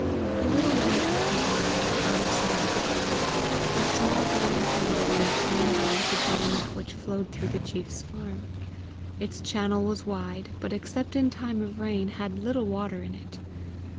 A little way up the valley, out of sight of the cottage, a small burn came down its own dell to join that which flowed through the chiefs farm. Its channel was wide, but except in time of rain had little water in it.